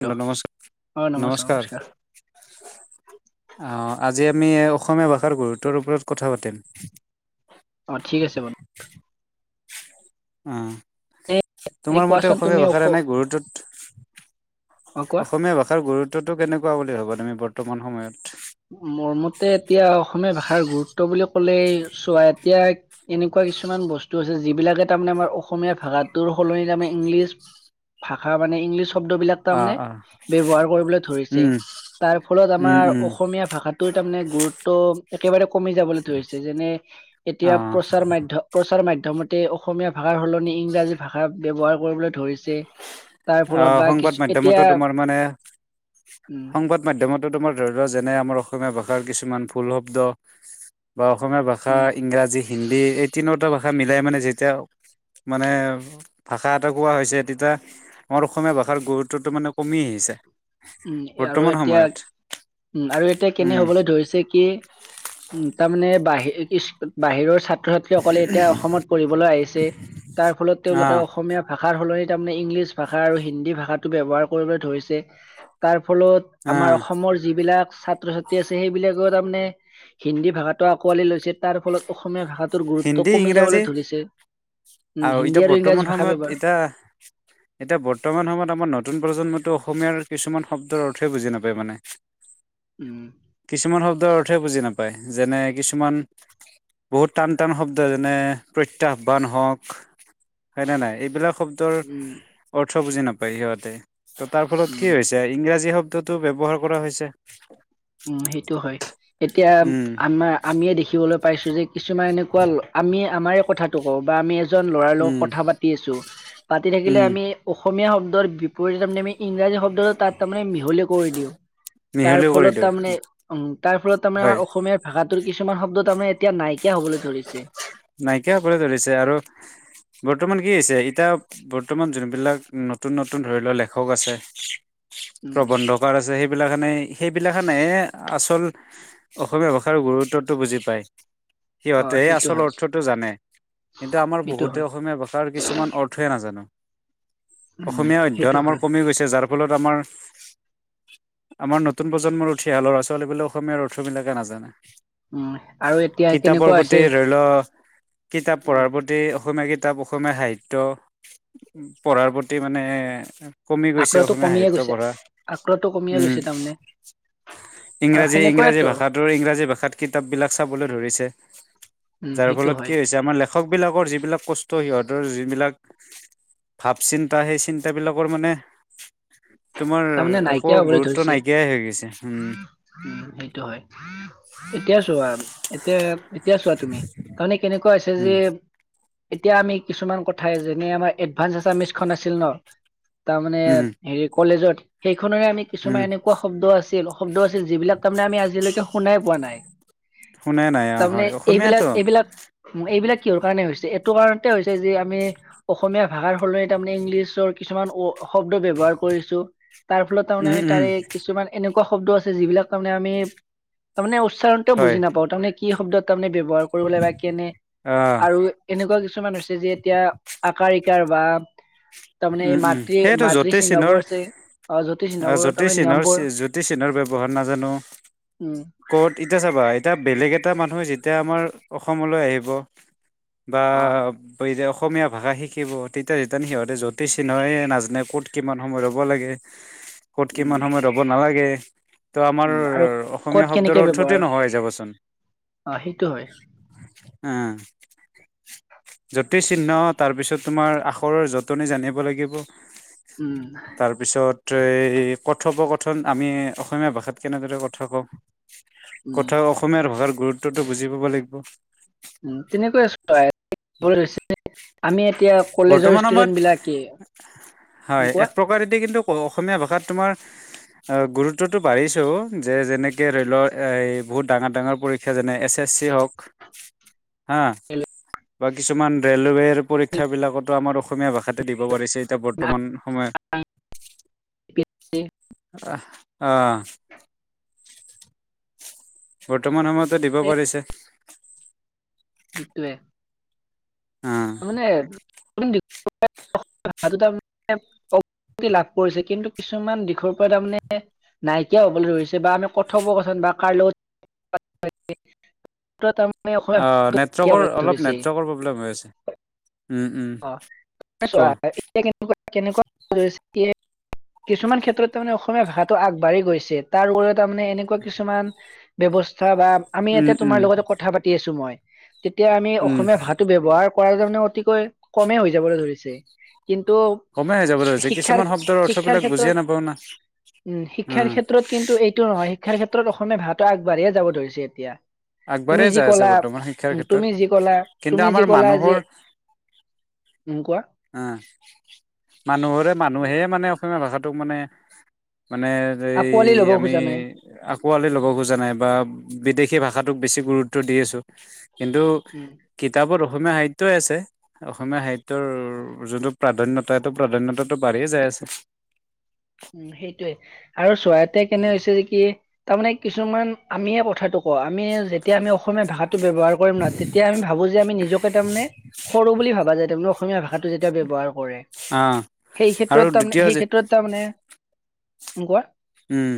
অ নম [unintelligible] নমস্কাৰ অহ আ আজি আমি অসমীয়া ভাষাৰ গুৰুত্বৰ ওপৰত কথা পাতিম। অহ, ঠিক আছে বন্ধু। অহ। এই তোমাৰ মতে কোৱাচোন অসমীয়া তুমি ভাষা অস এনেই অ কোৱা গুৰুটোত--অসমীয়া ভাষাৰ গুৰু ত্ব টো কেনেকুৱা হব বুলি ভাবা তুমি বৰ্তমান সময়ত? মোৰ মতে, এতিয়া অসমীয়া ভাষাৰ গুৰুত্ব বুলি ক'লে, চোৱা এতিয়া এনেকুৱা কিছুমান বস্তু আছে যিবিলাকে তাৰমানে আমাৰ অসমীয়া ভাষাটোৰ সলনি, ইংলিছ ভাষা মানে ইংলিছ শব্দ বিলাক তাৰ অ মানে অ ব্যৱহাৰ কৰিবলৈ ধৰিছে। উম তাৰ ফলত উম আমাৰ উম অসমীয়া ভাষাটোৰ তাৰমানে গুৰুত্ব একেবাৰে কমি যাবলৈ ধৰিছে। যেনে, অ এতিয়া প্ৰচাৰ মাধ্য প্ৰচাৰ মাধ প্ৰথমতে অসমীয়া ভাষাৰ সলনি ইংৰাজী ভাষা ব্যৱহাৰ কৰিবলৈ ধৰিছে তাৰ ফলত অহ বা সংবাদ কিছু এতিয়া মাধ্যমতো তোমাৰ মানে, উম সংবাদ মাধ্যমত তোমাৰ ধৰি লোৱা, যেনে আমাৰ অসমীয়া ভাষাৰ কিছুমান ভুল শব্দ বা অসমীয়া ভাষা, উম ইংৰাজী, হিন্দী এই তিনোটা ভাষা মিলাই মানে যেতিয়া, মানে ভাষা এটা কোৱা হৈছে তেতিয়া আমাৰ অসমীয়া ভাষাৰ গুৰুত্বটো মানে কমি আহিছে। উম, আৰু বৰ্তমান এতিয়া সময়ত উম আৰু এতিয়া কেনে উম হবলৈ ধৰিছে কি, উম। তাৰ মানে বাহিৰ কি, বাহিৰৰ ছাত ছাত্ৰ-ছাত্ৰীসকলে এতিয়া অসমত পঢ়িবলৈ আহিছে, তাৰ ফলত অ তেওঁলোকে অসমীয়া ভাষা ভাষাৰ সলনি তাৰমানে ইংলিছ ভাষা আৰু হিন্দী ভাষাটো ব্যৱহাৰ কৰিবলৈ ধৰিছে তাৰ [inaudible] অ তাৰমানে হিন্দী ভাষাটো আকোৱালি লৈছে, তাৰ ফলত অসমীয়া ভাষা‌ হিন্দী, ইংৰাজী উম আৰু হিন্দী এতিয়া ইংৰাজী বৰ্তমান ভাষা সময়ত ব্যৱহাৰ এতিয়া, এতিয়া বৰ্তমান সময়ত আমাৰ নতুন প্ৰজন্মটো অসমীয়াৰ কিছুমান শব্দৰ অৰ্থেয়ে বুজি নাপায় মানে। উম কিছুমান শব্দৰ অৰ্থেয়ে বুজি নাপ হয়, যেনে কিছুমান বহুত টান-টান শব্দ যেনে, প্ৰত্যাহ্বান হওক। হয়নে নাই, এইবিলাক শব্দৰ অৰ্থ উম অৰ্থ বুজি নাপায় সিহঁতে। ত তাৰ ফলত কি উম হৈছে, ইংৰাজী শব্দ ত তো ব্যৱহাৰ কৰা হৈছে। উম, সেইটো হয়। এতিয়া, উম আমাৰ আমিয়ে দেখিবলৈ পাইছো যে কিছুমান এনেকুৱা ল, আমি আমাৰে কথাটো কওঁ বা আমি এ জন ল'ৰাৰ লগত উম কথা পাতি আছো, পাতি থাকিলে উম আমি অসমীয়া শব্দ দৰ বি ত ই যে তাৰ মানে আমি ইংৰাজী শব্দটো তাত তাৰে মিহলি কৰি দিওঁ, তাৰ মিহলিও ফলত কৰিলো তাৰ মানে উম, তাৰ ফলত তাৰমানে হয় আমাৰ অসমীয়াৰ ভাষাত ত কিছুমান শব্দ তাৰমানে এতিয়া নাই [inaudible] নাইকিয়া হবলৈ ধৰিছে আৰু গো বৰ্তমান কি হৈছে এতিয়া বৰ্তমান যোনবিলাক নতুন -নতুন ধৰি লোৱা লেখক আছে উম, প্ৰবন্ধকাৰ আছে সেই এইবিলাখানে হেইবিলাখেনেহে আচল অসমীয়া ভাষাৰ গুৰুত্বটো বুজি পাই। অ', সিহঁতেহে সেইটো আচল হয়, অৰ্থটো জানে কিন্তু, আমাৰ সেইটো বহুতে হয়, অসমীয়া ভাষাৰ কিছুমান অৰ্থই নাজানে। উম, অসমীয়া অধ্যয়ন সেইটো আমাৰ হয়। কমি গৈছে যাৰ ফলত আমাৰ -আমাৰ নতুন প্ৰজন্মৰ উঠি অহা ল'ৰা -ছোৱালী বোলে অসমীয়াৰ অৰ্থবিলাকে নাজানে। উম, আৰু এই কিতাপৰ প্ৰতি ধৰি লওক কিতাপ উম, পঢ়াৰ প্ৰতি অসমীয়া কি কিতাপ অসমীয়া সাহিত্য, পঢ়াৰ প্ৰতি মানে কমি গৈছে আগ্ৰহটো অসমীয়া কমিয়ে সাহিত্য গৈছে। পঢ়া আগ্ৰহটো কমিয়ে উম গৈছে তাৰমানে আৰু ইংৰাজী- ইংৰাজী সেনেকুৱাইতো। ভাষাটো ইংৰাজী ভাষাত কিতাপ বিলাক চাবলৈ ধৰিছে। উম, যাৰ সেইটো ফলত কি হয়। হৈছে আমাৰ লেখক বিলাকৰ যিবিলাক ক ত'সিহঁতৰ যিবিলাক ভাৱ চিন্তা সেই চিন্তাবিলাকৰ মানে তোমাৰ তাৰমানে একো নাইকিয়া হ'বলৈ গুৰুত্ব ধৰিছে, নাইকিয়াই হৈ গৈছে। উম, সেইটো হয় এতিয়া চোৱা এতিয়া এতিয়া চোৱা তুমি, তাৰমানে কেনেকুৱা কোৱা হৈছে উম উম যে এতিয়া আমি কিছুমান কথাই যেনে আমাৰ এডভান্স আচামিছ খন আছিল ন' তাৰমানে উম হেৰি কলেজত এইখনেৰে আমি উম কিছুমান এনেকুৱা শব্দ আছে- তে লহ। শব্দ আছিল যিবিলাক তাৰমানে আমি আজিলৈকে শুনাই পোৱা নাই। শুনাই নাই অ তাৰমানে হয় অসমীয়াতো এইবিলাক- এইবিলাক- এইবিলাক কিহৰ কাৰনে হৈছে এইটো কাৰণতে হৈছে যে আমি অসমীয়া ভাষাৰ সলনিত তাৰমানে ইংলিছৰ কিছুমান ৱ শব্দ ব্যৱহাৰ কৰিছো। তাৰ ফলত তাৰমানে উম আমি উম তাৰে কিছুমান এনেকুৱা শব্দ আছে যিবিলাক তাৰমানে আমি তাৰমানে উচ উচ্চাৰণটো হয় বুজি নাপাওঁ তাৰমানে কি শব্দত তাৰমানে ব্যৱহাৰ কৰিবলে বা কেনে অ আৰু এনেকুৱা কিছুমান হৈছে যে এতিয়া আকাৰ- ইকাৰ বা তাৰমানে উম উম সেইটো মাতৃ-মাতৃ জ্যোতিষ চিহ্নৰ চিহ্নবোৰ আছে অ জ্যোতিষ চিহ্নবোৰ তাৰমানে নিয়মবোৰ- যতি চিহ্নৰ ব্যৱহাৰ নাজানো উম ক'ত এতিয়া চাবা এতিয়া বেলেগ- কেইটা মানুহ যেতিয়া আমাৰ অসমলৈ আহিব- আ অ বিদেশ- অসমীয়া ভাষা শিকিব তেতিয়া যেতিয়া নেকি সিহঁতে য'- তি চিহ্নয়ে নাজানে ক'ত কিমান সময় ৰব লাগে। ক'ত উম কিমান সময়ত ৰ'ব নালাগে। তো আমাৰ উম আৰু ক'ত অসমীয়া শব্দৰ কেনেকে অৰ্থটো ব্যৱহাৰ নোহোৱা হৈ যাবচোন। অ সেইটো হয় উ যতি চিহ্ন তাৰ পিছত তোমাৰ আখৰৰ যতনি জানিব- লাগিব। উম তাৰ পিছত এই কথপ কথ- থন আমি অসমীয়া ভাষাত কেনেদৰে কথা কম। উম, কথা অসমীয়াৰ ভাষাৰ- গুৰুত্বটো বুজি পাব লাগিব। উ তেনেকৈ আছো আমি এতিয়া কলেজৰ বৰ্তমান সময়ত ষ্টুডেন্ট বিলাকে- হয় কোৱা এক প্ৰকাৰেদি কিন্তু- অসমীয়া ভাষাত তোমাৰ গুৰুত্বটো বাঢ়িছে অ যে যেনেকে বহুত ডাঙৰ-ডাঙৰ পৰীক্ষা যেনে এছ এছ চি হওক হা কিছুমান ৰেলোৱেৰ পৰীক্ষা বিলাকটো আমাৰ অসমীয়া ভাষাটো- [unintelligible] এতিয়া বৰ্তমান সময়ত আহ- আহ বৰ্তমান সময়তে দিব পাৰিছে। সেইটোৱে। অ মানে- [unintelligible] লাভ কৰিছে কিন্তু কিছুমান দিশৰ পৰা তাৰমানে নাইকিয়া হবলৈ ধৰিছে বা আমি কথব কথন বা কাৰ লগত- তাৰমানে অসমীয়া অ নাইকিয়া নেটৱৰ্কৰ হবলৈ অলপ ধৰিছে নেটৱৰ্কৰ প্ৰব্লেম হৈ আছে। উম উম অ কোৱা এতিয়া। কেনেকুৱা কিছুমান ক্ষেত্ৰত তাৰমানে অসমীয়া ভাষাটো আগবাঢ়ি গৈছে তাৰ ওপৰত- তাৰমানে এনেকোৱা কিছুমান- ব্যৱস্থা- বা আমি উম ইয়াতে উম তোমাৰ লগতে কথা পাতি আছো মই- এতিয়া আমি উম অসমীয়া ভাষটো ব্যৱহাৰ, কৰা কাৰণে অতিকৈ কমেই হৈ যাবলৈ ধৰিছে। কিন্তু, কমেই হৈ যাবলৈ হৈছে শিক্ষাৰ কিছুমান শব্দৰ শিক্ষাৰ অৰ্থবিলাক বুজিয়ে ক্ষেত্ৰত নাপাওঁ না উম শিক্ষাৰ ক্ষেত্ৰত কিন্তু এইটো নহয়, শিক্ষাৰ ক্ষেত্ৰত অসমীয়া ভাষা আগবাঢ়িয়ে যাব ধৰিছে এতিয়া। আগবাঢ়ি তুমি যি যাই আছে কলা বৰ্তমান শিক্ষাৰ উম, ক্ষেত্ৰত। তুমি যি কলা কিন্তু তুমি যি আমাৰ কলা মানুহ যে উম কোৱা অঁ মানুহৰে উম, মানুহে মানে অসমীয়া ভাষা, ত মানে, মানে এই আঁকোৱালি লব আমি খোজা নাই আকোৱালি ল'ব খোজা নাই বা বিদেশী ভাষাত, ত বেছি গুৰুত্ব দি আছো। কিন্তু উম কিতাপত ৰখ, অসমীয়া সাহিত্যই আছে। অসমীয়া সাহিত্যৰ যোনটো প্ৰাধন্যত, তাতো প্ৰাধান্যতাটো বাঢ়িয়ে যায় আছে। উম সেইটোৱে। আৰু চৰাইতে কেনে হৈছে যে কি, তাৰমানে কিছুমান আমিয়ে কথাটোক, আমি যেতিয়া আমি অসমীয়া ভাষাটো ব্যৱহাৰ কৰিম ন, তেতিয়া আমি ভাবো যে, আমি নিজকে তাৰমানে সৰু বুলি ভাবা যায়। তুমি অসমীয়া ভাষাত, যেতিয়া ব্যৱহাৰ কৰে, অ সেই আৰু ক্ষেত্ৰত দ্বিতীয় তাৰমানে যে সেই ক্ষেত্ৰত তাৰ মানে, কোৱা। উম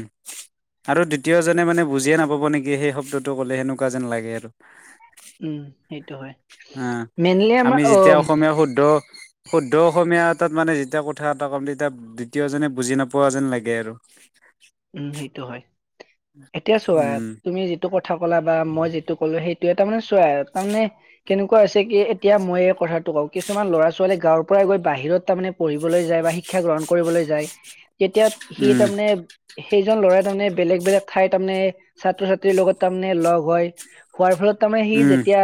আৰু দ্বিতীয়জনে মানে বুজিয়ে নাপাব নেকি সেই শব্দটো ক'লে, সেনেকুৱা যেন লাগে আৰু। উম। সেইটো হয়। অ মেইনলি আমি আমাৰ অ, যেতিয়া অসমীয়া শুদ্ধ শুদ্ধ অসমীয়া এটাত মানে যেতিয়া কথা এটা কম, তেতিয়া দ্বিতীয়জনে বুজি নাপোৱা যেন লাগে আৰু। উম সেইটো হয়। এতিয়া চোৱা উম তুমি যিটো কথা, কথা কলা বা মই যিটো ক'লো সেইটোৱে, তাৰ মানে চোৱা তাৰ মানে কেনেকুৱা আছে কি এতিয়া মই এই কথাটো কওঁ, কিছুমান ল'ৰা ছোৱালী গাঁৱৰ পৰাই গৈ বাহিৰত তাৰ মানে পঢ়িবলৈ যায় বা শিক্ষা গ্ৰহণ কৰিবলৈ যায়। তেতিয়া সি উম তাৰমানে, সেইজন ল'ৰাই তাৰমানে বেলেগ বেলেগ ঠাই তাৰমানে ছাত্ৰ ছাত্ৰীৰ লগত তাৰমানে লগ হয়। হোৱাৰ ফলত, তাৰ মানে সি উম যেতিয়া,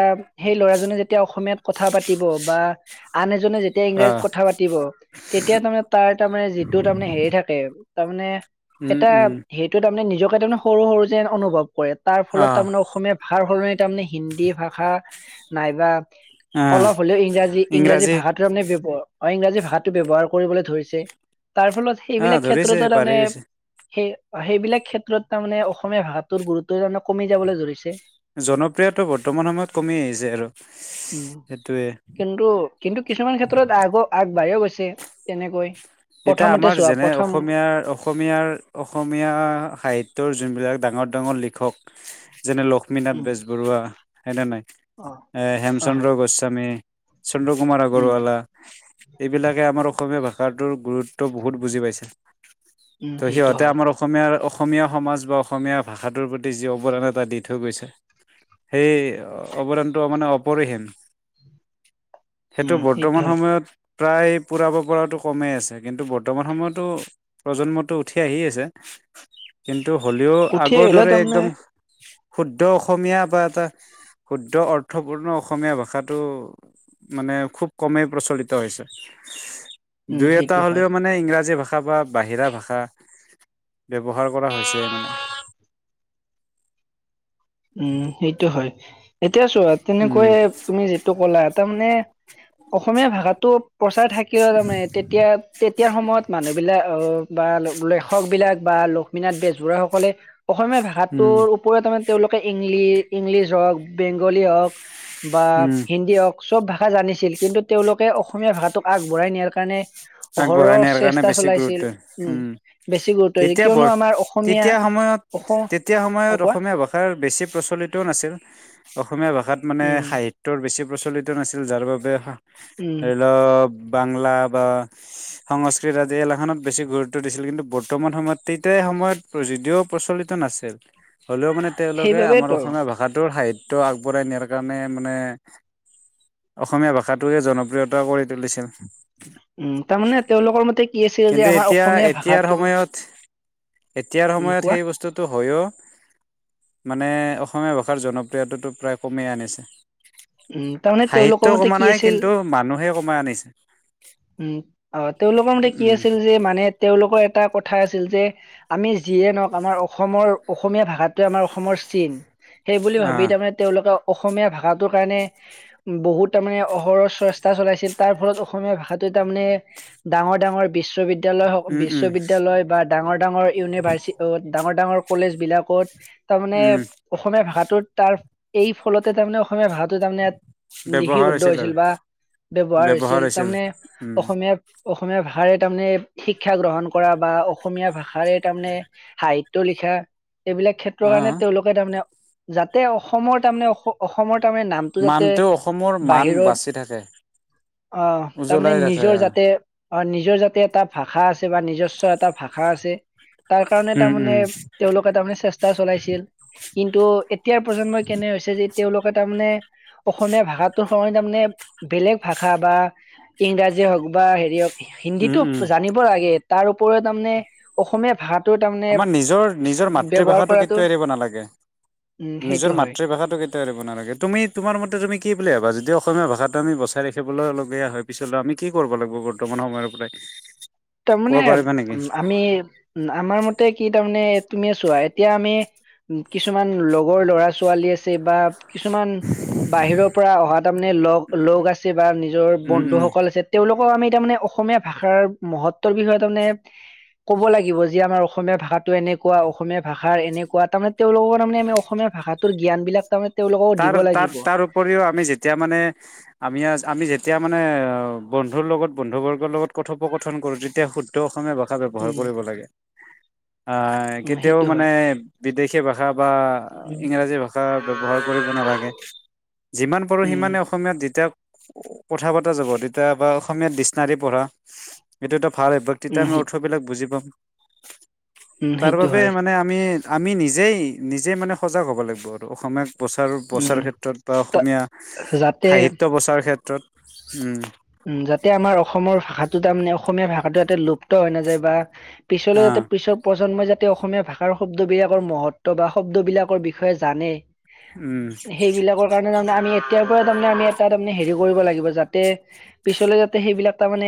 সেই ল'ৰাজনে যেতিয়া অসমীয়াত কথা পাতিব বা আন এ, জনে যেতিয়া অ ইংৰাজীত কথা পাতিব, তেতিয়া তাৰমানে তাৰ তাৰমানে যিটো তাৰমানে হেৰি থাকে, তাৰমানে, উম এটা উম সেইটো তাৰমানে নিজৰ মানে সৰু সৰু যেন অনুভৱ কৰে তাৰ ফলত অ', তাৰমানে অসমীয়া ভাষাৰ সলনি তাৰমানে হিন্দী ভাষা নাইবা অ', অলপ হ'লেও ইংৰাজী ইংৰাজী ভাষাটোৰ মানে ব্যৱহাৰ অ ইংৰাজী ভাষাটো ব্যৱহাৰ কৰিবলৈ ধৰিছে তাৰ ফলত অ', সেইবিলাক ক্ষেত্ৰতো ধৰিছে পাৰি তাৰমানে গৈছে। সেই সেইবিলাক ক্ষেত্ৰত তাৰ মানে অসমীয়া ভাষাটোৰ গুৰুত্বজনক কমি যাবলৈ ধৰিছে জনপ্ৰিয়টো বৰ্তমান সময়ত কমি আহিছে আৰু উম সেইটোয়ে। কিন্তু কিন্তু কিছুমান ক্ষেত্ৰত আগ আগবাঢ়িও গৈছে তে তেনেকৈ এতিয়া প্ৰথমতে আমাৰ চোৱা যেনে প্ৰথম অসমীয়াৰ অসমীয়াৰ অসমীয়া সাহিত্যৰ যোনবিলাক ডাঙৰ ডাঙৰ লিখক যেনে লক্ষ্মীনাথ উম বেজবৰুৱা সেইনে নাই অ এ অ হয় হেমচন্দ্ৰ গোস্বামী চন্দ্ৰ কুমাৰ উম আগৰৱালা এইবিলাকে আমাৰ অসমীয়া ভাষাত তোৰ গুৰুত্ব বহুত বুজি পাইছে উম ত' সেইটো সিহঁতে হয় আমাৰ অসমীয়াৰ অসমীয়া সমাজ বা অসমীয়া ভাষাটোৰ প্ৰতি যি অৱদান এটা দি থৈ গৈছে সেই অৱদানটো মানে অপৰিহীম সেইটো উম বৰ্তমান হয় সময়ত প্ৰায় পূৰাব পৰাটো কমে আছে কিন্তু বৰ্তমান সময়তো প্ৰজন্মটো উঠি আহি আছে কিন্ত ন্তু হ'লেও উঠি আগৰ আহিলে দৰে তাৰমানে একদম শুদ্ধ অসমীয়া বা এটা শুদ্ধ অৰ্থপূৰ্ণ অসমীয়া ভাষাটো মানে খুব কমেই প্ৰচলিত হৈছে উম দুই এটা সেইটো হয় হলেও মানে ইংৰাজী ভা ষা বা বাহিৰা ভাষা ব্যৱহাৰ কৰা হৈছে মানে উম সেইটো হয় এতিয়া চোৱা উম তেনেকৈয়ে তুমি যিটো ক'লা তাৰ মানে অসমীয়া ভাষাটো প্ৰচাৰ থাকিলা তামানে তেতিয়া এতিয়াৰ সময়ত মানুহবিলাক বা লেখক বিলাক বা লক্ষ্মীনাথ বেজবৰুৱা সকলে অসমীয়া উম ভাষাটোৰ ওপৰত কেইটামান তেওঁলোকে ইংলি ইংলিছ হওক বেংগলী হওক বা উম হিন্দী হওক চব ভাষা ভাষা জানিছিল কিন্তু তেওঁলোকে অসমীয়া ভাষাটোক আগবঢ়াই নিয়াৰ কাৰণে অহৰহ আগবঢ়াই নিয়াৰ কাৰণে চেষ্টা বেছি চলাইছিল গুৰুত্ব উম। বেছি গুৰুত্ব দিছিল, তেতিয়া ব কিয়নো আমাৰ অসমীয়া তেতিয়া সময়ত অসম তেতিয়া অ সময়ত কোৱা অসমীয়া ভাষা ভাষাৰ বেছি প্ৰচলিত নাছিল। অ অসমীয়া ভাষাত মানে উম সাহিত্যৰ বেছি প্ৰচলিত নাছিল যাৰ বাবে উম অলপ বাংলা বা সংস্কৃত আদি এলাখনত বেছি গুৰুত্ব দিছিল কিন্তু বৰ্তমান সময়ত তেতিয়াই সময়ত প্ৰযোয্য প্ৰচলিত নাছিল। হ'লেও মানে তেওঁলোকে আমাৰ সেইবাবেতো অসমীয়া ভাষাটোৰ সাহিত্য আগবঢ়াই নিয়াৰ কাৰণে মানে, অসমীয়া ভাষাটোৱে জনপ্ৰিয়তা কৰি তুলিছিল। উম। তাৰমানে তেওঁলোকৰ মতে ই আছিল যে কিন্তু আমাৰ এতিয়া অসমীয়া এতিয়াৰ ভাষাটো সময়ত এতিয়াৰ উম সময়ত কোৱা সেই বস্তুটো হয়ও মানে অসমীয়া ভাষাৰ জনপ্ৰিয়তাটো প্ৰায় কমেই আনিছে। উম তাৰমানে সাহিত্য তেওঁলোকৰ মতে কমা কি নাই আছিল, কিন্তু মানুহে কমাই আনিছে উম। অহ তেওঁলোকৰ মতে কি উম আছিল যে মানে তেওঁলোকৰ এটা কথা কথা আছিল যে আমি যিয়ে নহক আমাৰ অসমৰ অসমীয়া ভাষাটোৱে আমাৰ অসমৰ চিন। সেই বুলি আহ ভাবি তাৰমানে তেওঁলোকক অসমীয়া ভাষাত কাৰণে বহুত তাৰমানে অহৰহ চেষ্টা চলাইছিল তাৰ ফলত অসমীয়া ভাষাটো তাৰমানে ডাঙৰ-ডাঙৰ বিশ্ববিদ্যা বিদ্যালয় হ উম, উম, বিশ্ববিদ্যালয় বা ডাঙৰ-ডাঙৰ ইউনিভাৰ্চি ডাঙৰ-ডাঙৰ কলেজ বিলাকত তাৰমানে উম অসমীয়া ভাষাটোত তাৰ এই ফলতে তাৰমানে অসমীয়া ভাষটো তাৰমানে ইয়াত ব্যৱহাৰ লিপিবদ্ধ হৈছিল আৰু বা ব্যৱহাৰ হৈছিল। তাৰমানে উম, অসমীয়া অসমীয়া ভাষাৰে তাৰমানে শিক্ষা গ্ৰহণ কৰা বা অসমীয়া ভাষা খাৰে তাৰমানে সাহিত্য টো লিখা এইবিলাক ক্ষেত্ৰৰ কাৰণে অ' তেওঁলোকে তাৰমানে যাতে অসমৰ তাৰমানে অস-অস তাৰমানে নামটো যাতে মানটো অসমৰ মান বাচি থাকে বাহিৰত--অহ, তাৰমানে উজ্বলাই ৰাখে। নিজৰ যাতে অহ নিজৰ যাতে এটা ভাষা আছে বা নিজস্ব এটা ভাষা আছে। তাৰ কাৰণে উম, তাৰমানে উম, তেওঁলোকে তাৰমানে চেষ্টা চলাইছিল। কিন্তু এতিয়াৰ প্ৰজন্মই কেনে হৈছে যে তেওঁলোকে তাৰমানে, অসমীয়া ভাষাটোৰ হৈ তাৰমানে বেলেগ ভাষা বা ইংৰাজীয়ে হওক বা হেৰি হওক উম, হিন্দীটো উম জানিব লাগে। তাৰ ওপৰত তাৰমানে, অসমীয়া ভাষাত আমাৰ নিজৰ, নিজৰ মাতৃভাষাটো কৰাটো কেতিয়াও এৰিব নালাগে। উম সেইটো নিজৰ হয় মাতৃভাষাটো কেতি কেতিয়াও এৰিব নালাগে। তুমি তোমাৰ মতে তুমি কি বুলি ভাবা? যেতিয়া অসমীয়া ভাষাটো আমি বচাই ৰাখিব ল-লগীয়া হয়। পিছলৈ আমি কি কৰিব লাগিব বৰ্তমান সময়ৰ পৰাই। ক'ব তাৰমানে ও, পাৰিবা নেকি? আমি ও আমাৰ মত তে কি তাৰমানে তুমিয়ে চোৱা, এতিয়া আমি কিছুমান লগৰ ল'ৰা-ছোৱালী আছে বা কিছুমান বাহিৰৰ পৰা অহা তাৰমানে লগ-লগ আছে, বা নিজৰ উম, উম। বন্ধুসকল আছে। তেওঁলোক অ-আমি তাৰমানে অসমীয়া ভাষাৰ মহত্বৰ বিষয়ে তাৰমানে, ক'ব লাগিব যে আমাৰ অসমীয়া ভাষাটো এনেকুৱা, অসমীয়া ভাষাৰ এনেকুৱা, তাৰমানে তেওঁলোকৰ তাৰমানে এনে অসমীয়া ভাষাত তোৰ জ্ঞানবিলাক তাৰমানে তেওঁলোকক দিব তাৰ, তাৰ, লাগিব তাৰ উপৰিও আমি যেতিয়া মানে, আমি আজ-আমি যেতি যেতিয়া মানে অ' বন্ধুৰ লগত, বন্ধুবৰ্গৰ লগত কথোপকথন কৰো, তেতিয়া শুদ্ধ অসমীয়া ভা ভাষা উম, ব্যৱহাৰ কৰিব লাগে। আই, উম, কেতিয়াও সেইটো মানে হয়। বিদেশী ভাষা বা উম, ইংৰাজী ভাষা ব্যৱহাৰ কৰিব নালাগে। যিমান পাৰো উম, সিমানেই, অসমীয়াত যেতিয়া কথা পতা যাব, তেতিয়া বা অসমীয়াত ডিচনাৰি পঢ়া। এইটো এটা ভালে, বক্তিতাই উম, আমি সেই অৰ্থবিলাক বুজি পাম। উম, তাৰ সেইটো বাবে হয় মানে আমি, আমি নিজ জেই-নিজে মানে সজাগ হ'ব লাগিব আৰু। অসমীয়াত বচাৰো, উম। বচাৰ ক্ষেত্ৰত বা অসমীয়া যাতে সাহিত্য বচাৰ ক্ষেত তত উম উম, যাতে আমাৰ অসমৰ ভাষাটো তাৰমানে অসমীয়া ভাষাটো এটা লোপ ত' হৈ নাযায় বা পিছলৈ যাতে আহ পিছৰ প্ৰজন্মই যাত তেওঁ অসমীয়া ভাষাৰ শব্দবিলাকৰ মহত্ব বা শব্দবিলাকৰ বিষয়ে জানে। উম। সেইবিলাকৰ কাৰণে তাৰমানে আমি এতিয়া তাৰমানে আমি এটা তামানে হেৰি কৰিব লাগিব। যাতে পিছলে যাতে সেইবিলাক তামানে